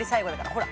ほら。